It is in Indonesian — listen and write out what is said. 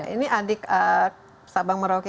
ini adik sabang merauke